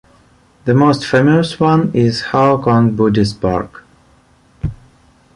The most famous one is Khao Kong Buddhist Park.